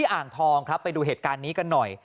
อ่างทองครับไปดูเหตุการณ์นี้กันหน่อย